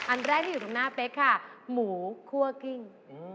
อันแรกที่อยู่ตรงหน้าเป๊กค่ะหมูคั่วกิ้ง